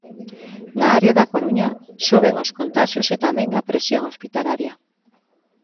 Na área da Coruña soben os contaxios e tamén a presión hospitalaria.